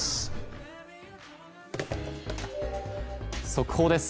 速報です。